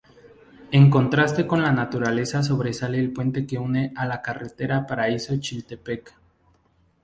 En contraste con la naturaleza sobresale el puente que une a la carretera Paraíso–Chiltepec.